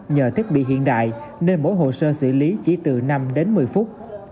nhờ thiết bị hiện đại nên mỗi hồ sơ xử lý chỉ từ năm đến một mươi phút